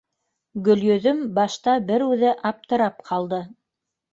Гөлйөҙөм башта бер үҙе аптырап ҡалды.